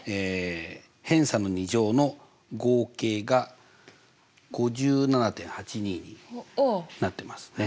偏差の２乗の合計が５７．８２になってますね。